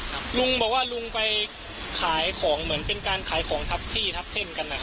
ลุงบอกว่าลุงไปขายของเหมือนเป็นการขายของทับที่ทับเส้นกันนะครับ